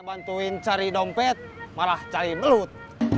bantuin cari dompet malah cari belut